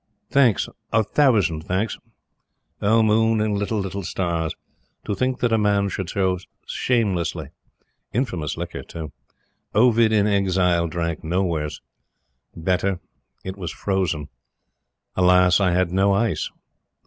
"Thanks a thousand thanks! O Moon and little, little Stars! To think that a man should so shamelessly.... Infamous liquor, too. Ovid in exile drank no worse. Better. It was frozen. Alas! I had no ice.